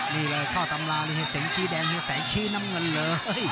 นี่เลยเข้าตำราให้สีชี้แดงให้สีชี้น้ำเงินเลย